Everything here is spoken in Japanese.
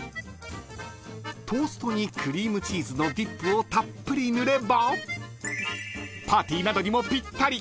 ［トーストにクリームチーズのディップをたっぷり塗ればパーティーなどにもぴったり！